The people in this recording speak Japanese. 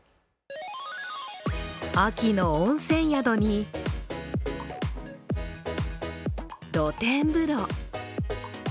秋の温泉宿に、露天風呂。